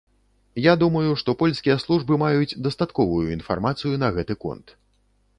Я думаю, што польскія службы маюць дастатковую інфармацыю на гэты конт.